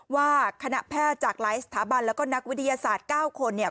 ว่าคณะแพทย์จากหลายสถาบันแล้วก็นักวิทยาศาสตร์๙คนเนี่ย